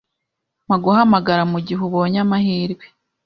Mpa guhamagara mugihe ubonye amahirwe.